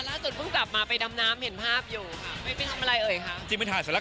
อ๋อแล้วจนเพิ่งกลับมาไปดำน้ำเห็นภาพอยู่เป็นทำอะไรเอ๋ยครับ